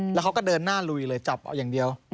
แล้วเขาก็เดินหน้าลุยเลยจับเอาอย่างเดียว